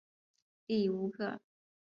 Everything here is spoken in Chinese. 利乌克。